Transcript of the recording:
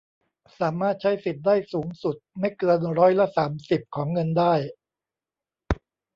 สามารถใช้สิทธิ์ได้สูงสุดไม่เกินร้อยละ สามสิบ ของเงินได้